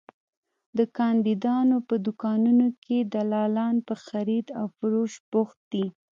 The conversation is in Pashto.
د کاندیدانو په دوکانونو کې دلالان په خرید او فروش بوخت دي.